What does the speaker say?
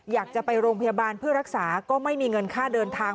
อยากจะไปโรงพยาบาลเพื่อรักษาก็ไม่มีเงินค่าเดินทาง